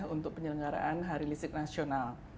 untuk penyelenggaraan hari listrik nasional